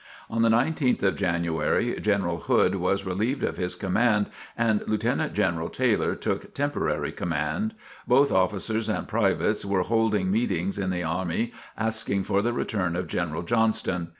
On the 19th of January, General Hood was relieved of his command and Lieutenant General Taylor took temporary command. Both officers and privates were holding meetings in the army asking for the return of General Johnston.